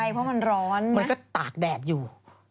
ใช่เพราะว่ามันร้อนนะมันก็ตากแดดอยู่